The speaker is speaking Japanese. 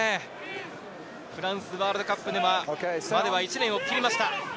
フランスワールドカップまでは、あと１年を切りました。